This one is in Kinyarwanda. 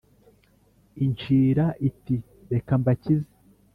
incira iti: reka mbakize !